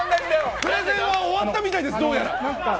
プレゼンは終わったみたいです。